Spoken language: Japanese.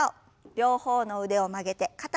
両方の腕を曲げて肩の横に。